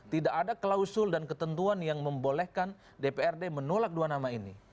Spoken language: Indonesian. tidak ada klausul dan ketentuan yang membolehkan dprd menolak dua nama ini